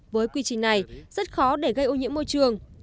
với quy trình này rất khó để gây ô nhiễm môi trường